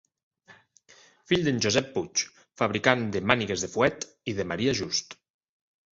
Fill d'en Josep Puig, fabricant de mànigues de fuet, i de Maria Just.